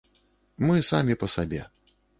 Мы самі па сабе.